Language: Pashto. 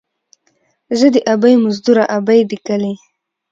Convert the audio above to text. ـ زه دې ابۍ مزدوره ، ابۍ دې کلي.